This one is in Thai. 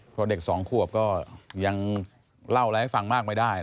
เพราะเด็กสองขวบก็ยังเล่าอะไรให้ฟังมากไม่ได้